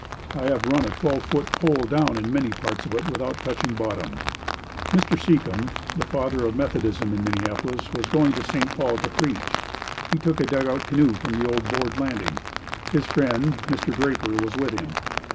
I have run a twelve foot pole down in many parts of it without touching bottom. Mr. Secomb, the father of Methodism in Minneapolis, was going to St. Paul to preach. He took a dugout canoe from the old board landing. His friend, Mr. Draper, was with him.